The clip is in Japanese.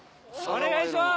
お願いします！